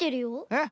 えっ？